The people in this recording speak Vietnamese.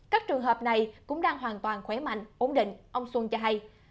các trường hợp này cũng đang hoàn toàn khỏe mạnh ổn định ông xuân cho hay